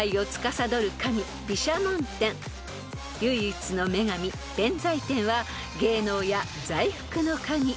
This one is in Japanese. ［唯一の女神弁財天は芸能や財福の神］